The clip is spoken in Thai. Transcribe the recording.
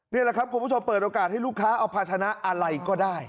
นี่แหละครับคุณผู้ชมเปิดโอกาสให้ลูกค้าเอาภาชนะอะไรก็ได้